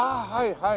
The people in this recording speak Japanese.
はい。